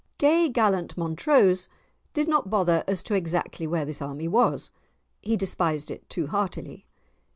Gay Gallant Montrose did not bother as to exactly where this army was; he despised it too heartily.